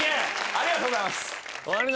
ありがとうございます。